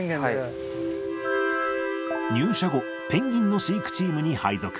入社後、ペンギンの飼育チームに配属。